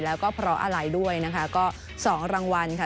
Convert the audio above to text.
แล้วก็เพราะอะไรด้วยนะคะก็๒รางวัลค่ะ